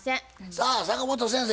さあ坂本先生